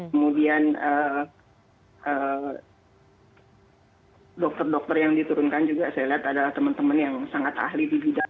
kemudian dokter dokter yang diturunkan juga saya lihat adalah teman teman yang sangat ahli di bidang